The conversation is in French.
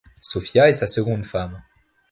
Sophia est sa seconde femme.